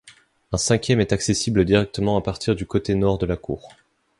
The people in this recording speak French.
Un cinquième est accessible directement à partir du côté nord de la cour.